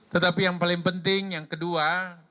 tetapi yang paling penting yang kedua